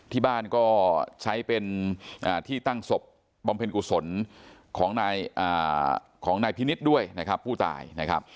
ที่บ้านก็ใช้เป็นที่ตั้งศพบำเพ็ญกุศลของนายพินิษฐ์ด้วยนะครับผู้ตายนะครับ